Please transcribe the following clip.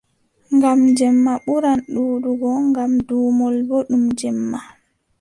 Ngam jemma ɓuran ɗuuɗugo ngam duumol boo ɗum jemma.